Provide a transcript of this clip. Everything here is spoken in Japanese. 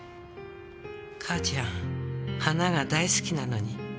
母ちゃん花が大好きなのに。